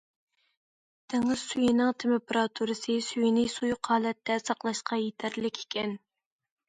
دېڭىز سۈيىنىڭ تېمپېراتۇرىسى سۈيىنى سۇيۇق ھالەتتە ساقلاشقا يېتەرلىك ئىكەن.